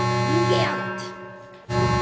逃げやがった。